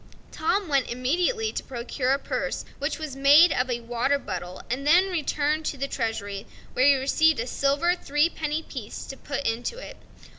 Tom went immediately to procure a purse which was made of a water bubble, and then returned to the treasury, where he received a silver three penny piece to put into it.